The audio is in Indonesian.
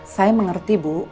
saya mengerti bu